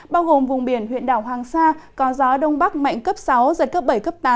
bao gồm vùng biển huyện đảo hoàng sa có gió đông bắc mạnh cấp sáu giật cấp bảy cấp tám